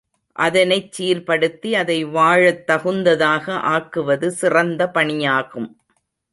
அதனைச் சீர்படுத்தி அதை வாழத் தகுந்த தாக ஆக்குவது சிறந்த பணியாகும்.